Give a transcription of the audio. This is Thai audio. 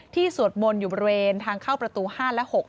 สวดมนต์อยู่บริเวณทางเข้าประตู๕และ๖